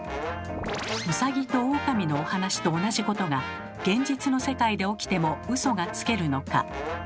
ウサギとオオカミのお話と同じことが現実の世界で起きてもウソがつけるのか？